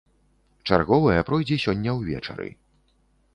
Чарговая пройдзе сёння ўвечары.